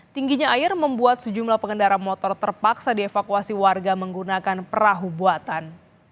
tingginya air membuat sejumlah pengendara motor terpaksa dievakuasi warga menggunakan perahu buatan